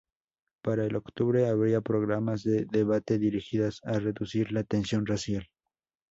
Para el octubre había programas de debate dirigidas a reducir la tensión racial.